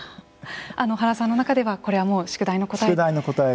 原さんの中ではこれはもう宿題の答えだと。